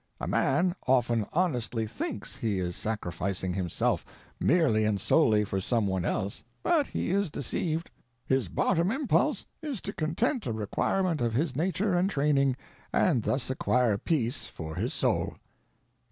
A man often honestly thinks he is sacrificing himself merely and solely for some one else, but he is deceived; his bottom impulse is to content a requirement of his nature and training, and thus acquire peace for his soul.